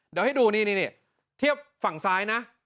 เดี๋ยวให้ดูนี่เทียบฝั่งซ้ายนะ